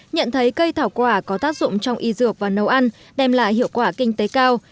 nhận thấy cây thảo quả có tác dụng trong y dược và nấu ăn đem lại hiệu quả kinh tế cao